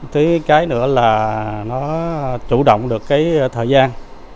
thứ cái nữa là nó chủ động được cái thời gian